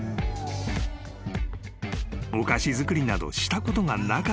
［お菓子作りなどしたことがなかったアリーナ］